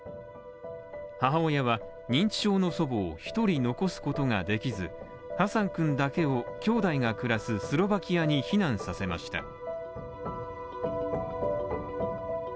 母親は認知症の祖母を１人残すことができずハサン君だけを、兄弟が暮らすスロバキアに避難させました。